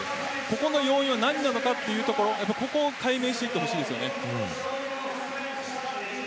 ここの要因は何なのかというところ解明してほしいです。